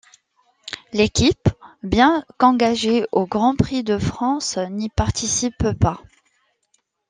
L'équipe, bien qu'engagée au Grand Prix de France n'y participe pas.